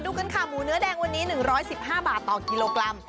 กันค่ะหมูเนื้อแดงวันนี้๑๑๕บาทต่อกิโลกรัม